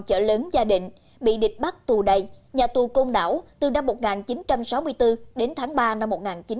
tính gia đình bị địch bắt tù đầy nhà tù công đảo từ năm một nghìn chín trăm sáu mươi bốn đến tháng ba năm một nghìn chín trăm bảy mươi năm